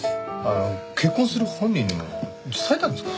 結婚する本人にも伝えたんですか？